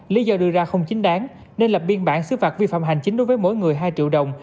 lý do đưa ra không chính đáng nên lập biên bản xứ phạt vi phạm hành chính đối với mỗi người hai triệu đồng